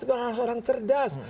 tapi orang orang cerdas